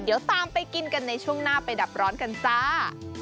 เดี๋ยวตามไปกินกันในช่วงหน้าไปดับร้อนกันจ้า